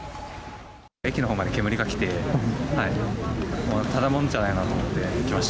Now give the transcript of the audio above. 駅のほうまで煙が来て、ただもんじゃないなと思ってきました。